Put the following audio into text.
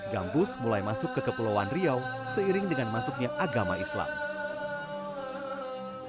gambus mulai masuk ke kepulauan riau seiring dengan masuknya agama islam